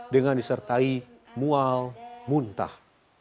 dengan disertai mual muntah